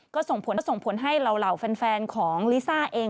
ก็ส่งผลส่งผลให้เหล่าแฟนของลิซ่าเอง